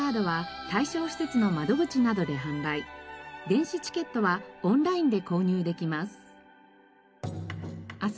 電子チケットはオンラインで購入できます。